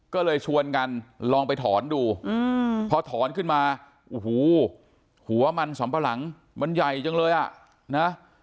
ก็เลยชวนกันลองไปถอนดูพอถอนขึ้นมาโอ้โหหัวมันสำปะหลังมันใหญ่จังเลยอ่ะนะ